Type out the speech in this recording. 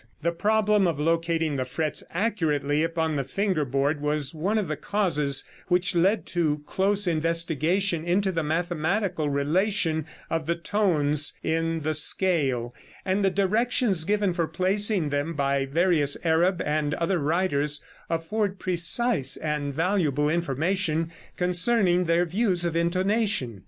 The problem of locating the frets accurately upon the finger board was one of the causes which led to close investigation into the mathematical relation of the tones in the scale; and the directions given for placing them by various Arab and other writers afford precise and valuable information concerning their views of intonation.